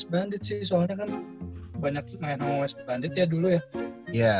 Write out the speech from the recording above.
okiwira bakal di comeback in sama west bandit sih soalnya kan banyak main sama west bandit ya dulu ya